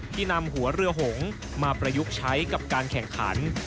ที่นำหัวเรือหงมาประยุกต์ใช้กับการแข่งขัน